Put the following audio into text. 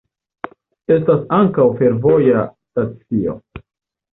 Estas ankaŭ fervoja stacio.